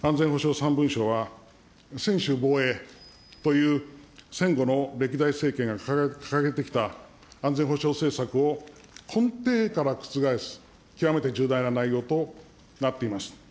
３文書は、専守防衛という戦後の歴代政権が掲げてきた安全保障政策を根底から覆す極めて重大な内容となっています。